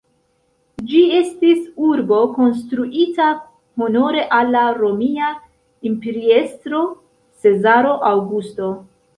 Ĝi estis urbo konstruita honore al la romia imperiestro Cezaro Aŭgusto.